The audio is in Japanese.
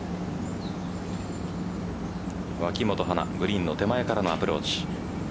脇元華グリーンの手前からのアプローチ。